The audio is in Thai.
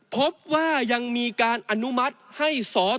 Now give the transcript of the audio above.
พบว่ายังมีการอนุมัติให้สส